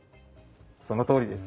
そのとおりです。